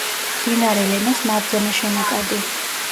მდინარე ლენას მარჯვენა შენაკადი.